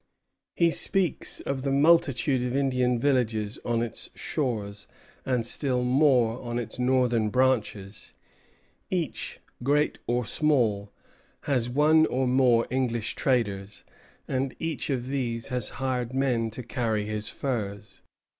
He speaks of the multitude of Indian villages on its shores, and still more on its northern branches. "Each, great or small, has one or more English traders, and each of these has hired men to carry his furs.